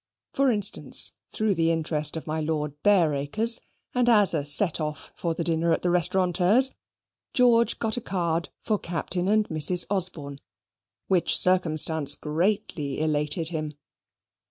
For instance, through the interest of my Lord Bareacres, and as a set off for the dinner at the restaurateur's, George got a card for Captain and Mrs. Osborne; which circumstance greatly elated him.